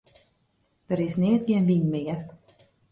Der is neat gjin wyn mear.